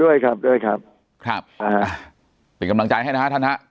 ด้วยครับด้วยครับครับอ่าเป็นกำลังใจให้นะฮะท่านฮะ